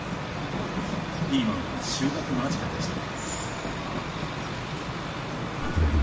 ピーマンは収穫間近でした。